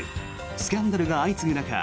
スキャンダルが相次ぐ中